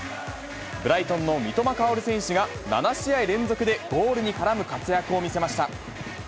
ブライトンの三笘薫選手が、７試合連続でゴールに絡む活躍を見せました。